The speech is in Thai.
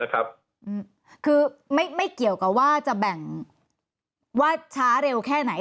คือไม่เกี่ยวกับว่าจะแบ่งว่าช้าเร็วแค่ไหน